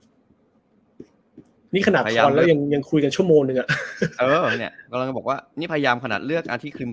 หรือนี่ขนาดทีอ่อนแล้วยังคุยกันชั่วโมงเลยเนี่ยพบกับว่านี่พยายามขนาดเรื่องอาทิตย์ครีม